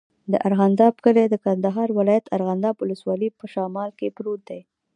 د ارغنداب کلی د کندهار ولایت، ارغنداب ولسوالي په شمال کې پروت دی.